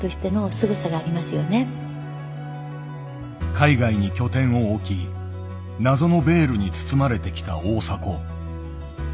海外に拠点を置き謎のベールに包まれてきた大迫。